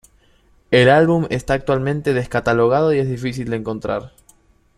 El álbum está actualmente descatalogado y es difícil de encontrar